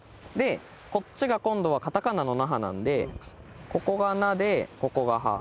こっちが今度はカタカナの「ナハ」なんでここが「ナ」でここが「ハ」。